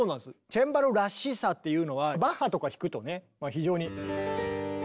チェンバロらしさっていうのはバッハとか弾くとね非常に。